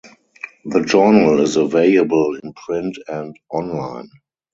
The journal is available in print and online.